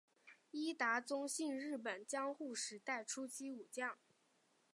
伊达宗信日本江户时代初期武将。